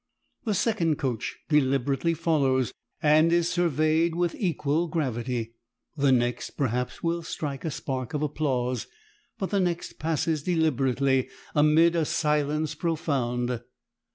The second coach deliberately follows, and is surveyed with equal gravity. The next perhaps will strike a spark of applause. But the next passes deliberately amid a silence profound.